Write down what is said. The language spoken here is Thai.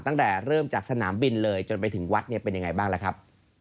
ตั้งแต่เริ่มจากสนามบินเลยจนไปถึงวัดเนี่ยเป็นยังไงบ้างล่ะครับ